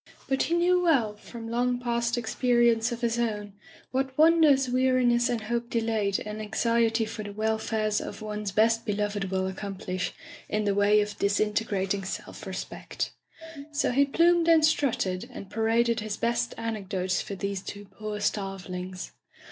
But he knew well, from long past experience of his own, what wonders weariness and hope delayed and anxiety for the welfare of one's best [359 ] Digitized by LjOOQ IC Interventions beloved will accomplish in the way of dis integrating self respect. So he plumed and strutted, and paraded his best anecdotes for these two poor starve lings.